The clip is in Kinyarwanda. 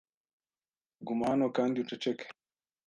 Guma hano kandi uceceke.